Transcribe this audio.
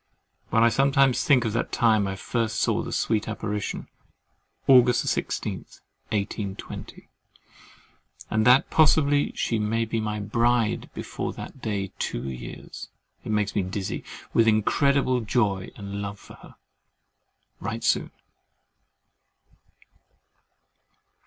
When I sometimes think of the time I first saw the sweet apparition, August 16, 1820, and that possibly she may be my bride before that day two years, it makes me dizzy with incredible joy and love of her. Write soon.